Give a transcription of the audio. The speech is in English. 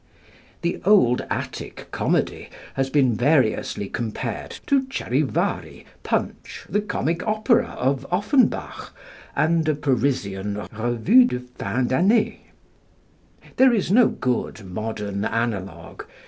The old Attic Comedy has been variously compared to Charivari, Punch, the comic opera of Offenbach, and a Parisian 'revue de fin d'année.' There is no good modern analogue.